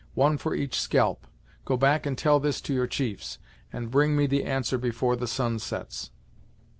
One for each scalp. Go back and tell this to your chiefs, and bring me the answer before the sun sets."